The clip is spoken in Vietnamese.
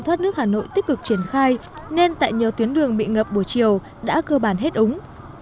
thoát nước hà nội tích cực triển khai nên tại nhiều tuyến đường bị ngập buổi chiều đã cơ bản hết ứng